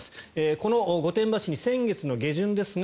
この御殿場市に先月の下旬ですが